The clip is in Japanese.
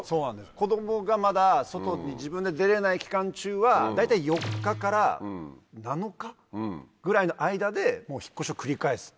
子供がまだ外に自分で出れない期間中は大体４日から７日ぐらいの間で引っ越しを繰り返す。